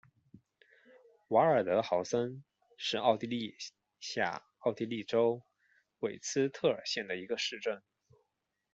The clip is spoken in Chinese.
瓦尔德豪森是奥地利下奥地利州茨韦特尔县的一个市镇。